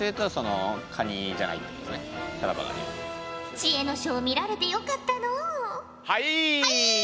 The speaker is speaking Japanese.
知恵の書を見られてよかったのう。